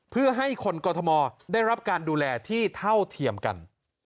เพื่อให้คนกรทมได้รับการดูแลที่เท่าเทียมกัน